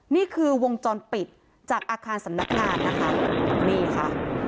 นี่คือวงจรปิดจากอาคารสำนักงานนะคะนี่ค่ะ